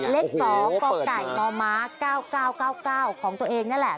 เลข๒กล้าไก่กล้าม้า๙๙๙๙ของตัวเองนั่นแหละ